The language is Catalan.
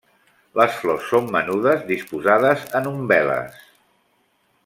Les flors són menudes disposades en umbel·les.